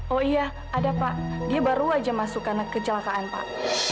oh iya ada pak dia baru aja masuk karena kecelakaan pak